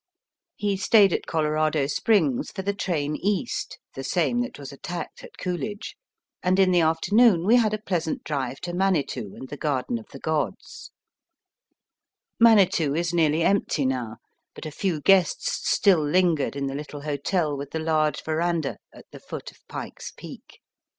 He stayed at Colorado Springs for the train east (the same that was attacked at Coolidge), and in the afternoon we had a pleasant drive to Manitou and the Garden of the Gods. Manitou is nearly empty now, but a few guests stiU lingered in the little hotel Digitized by VjOOQIC 74 . EAST BY WEST. with the large verandah at the foot of Pike's Peak.